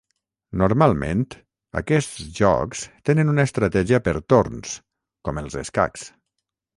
Normalment, aquests jocs tenen una estratègia per torns, com els escacs.